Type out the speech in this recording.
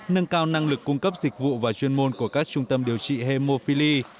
nâng cao năng lực cung cấp dịch vụ và chuyên môn của các trung tâm điều trị hemophili